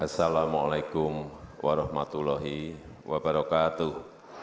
assalamu'alaikum warahmatullahi wabarakatuh